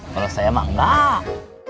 kalau saya mah enggak